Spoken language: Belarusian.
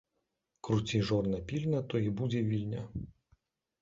Круці жорна пільна, то і тут будзе Вільня!